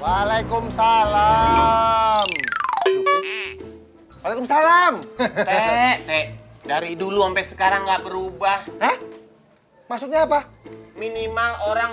waalaikumsalam waalaikumsalam dari dulu sampai sekarang enggak berubah maksudnya apa minimal orang